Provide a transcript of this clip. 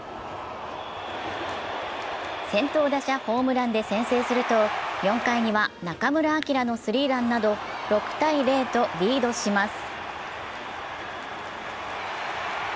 先頭打者ホームランで先制すると４回には中村晃のスリーランなど６−０とリードします。